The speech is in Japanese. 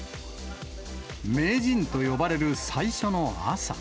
名人と呼ばれる最初の朝。